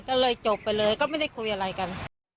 ก็เลยจบไปเลยก็ไม่ได้คุยอะไรกัน